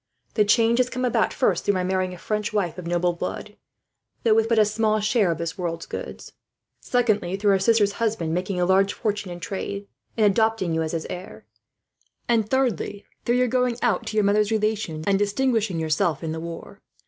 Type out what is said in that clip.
The change has come about, first through my marrying a French wife of noble blood, though with but a small share of this world's goods; secondly through her sister's husband making a large fortune in trade, and adopting you as his heir; and thirdly, through your going out to your mother's relations, and distinguishing yourself in the war.